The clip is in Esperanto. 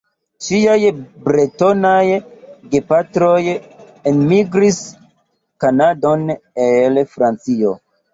Ŝiaj bretonaj gepatroj enmigris Kanadon el Francio.